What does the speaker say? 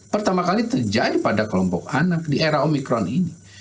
pertama kali terjadi pada kelompok anak di era omikron ini